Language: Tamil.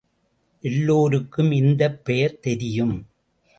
எல்லோருக்கும் இந்தப் பெயர் தெரியும்.